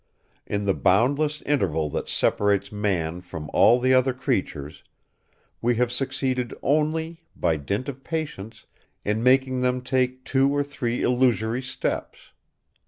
In the boundless interval that separates man from all the other creatures, we have succeeded only, by dint of patience, in making them take two or three illusory steps.